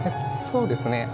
そうですね